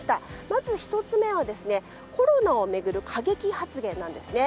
まず１つ目はコロナを巡る過激発言なんですね。